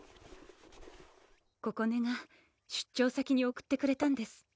ここねが出張先に送ってくれたんです